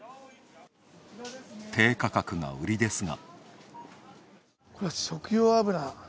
低価格が売りですが。